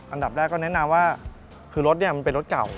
อันดับแรกก็แนะนำว่าคือรถเนี่ยมันเป็นรถเก่า